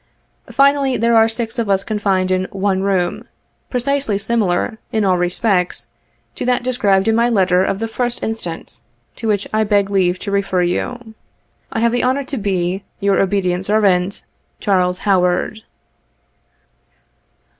Finally, there are six of us confined in one room, precisely similar, in all respects, to that described in my letter of the 1st inst., to which I beg leave to refer you. " I have the honor to be "Your obedient servant, "CHARLES HOWARD."